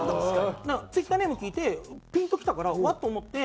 ツイッターネーム聞いてピンときたからうわっと思って。